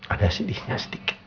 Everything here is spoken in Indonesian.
ada sedihnya sedikit